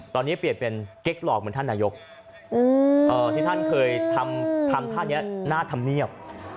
ตอนนี้เปลี่ยนเป็นเก๊กหลอกเหมือนท่านนายกที่ท่านเคยทำท่านนี้หน้าธรรมเนียบ